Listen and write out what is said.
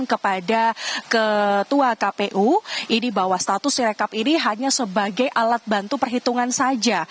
kepada ketua kpu ini bahwa status sirekap ini hanya sebagai alat bantu perhitungan saja